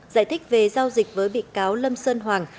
giải thích về giao dịch với bị cáo lâm sơn hoàng